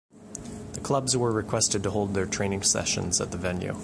The clubs were requested to hold their training sessions at the venue.